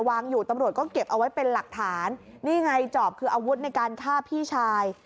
วางอยู่ตำรวจก็เก็บเอาไว้เป็นหลักฐานนี่ไงจอบคืออาวุธในการฆ่าพี่ชาย